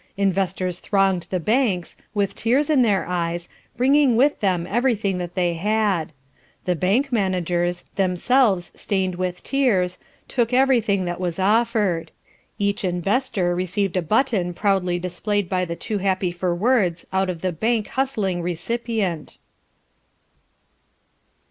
Investors thronged the banks, with tears in their eyes, bringing with them everything that they had. The bank managers, themselves stained with tears, took everything that was offered. Each investor received a button proudly displayed by the too happy for words out of the bank hustling recipient."